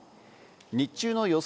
日中の予想